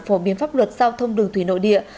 phổ biến pháp luật giao thông đường thủy nội địa